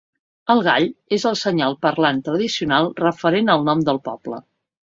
El gall és el senyal parlant tradicional referent al nom del poble.